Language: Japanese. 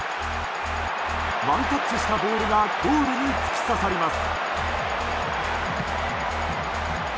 ワンタッチしたボールがゴールに突き刺さります。